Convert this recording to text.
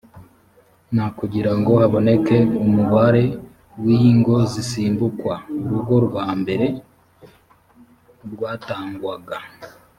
na kugira ngo haboneke umubare w ingo zisimbukwa urugo rwa mbere rwatangwaga